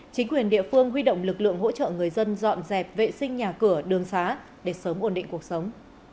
chính quyền địa phương huy động lực lượng hỗ trợ người dân dọn dẹp vệ sinh nhà cửa đường xá để sớm ổn định cuộc sống